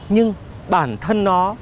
nhưng bản thân nó